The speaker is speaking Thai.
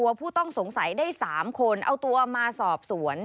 ผู้ต้องสงสัยได้๓คนเอาตัวมาสอบสวน